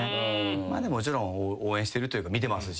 まあでももちろん応援してるというか見てますし。